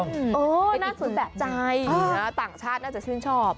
ก็จะเปรี้ยวหวานน่าสนใจต่างชาติน่าจะชื่นชอบ